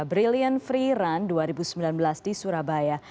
brilliant free run dua ribu sembilan belas di surabaya